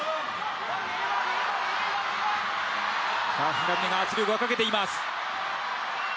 藤波が圧力をかけています。